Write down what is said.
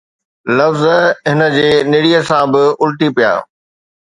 لفظ هن جي نڙيءَ سان به الٽي پيا